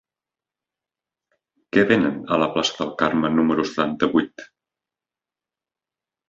Què venen a la plaça del Carme número setanta-vuit?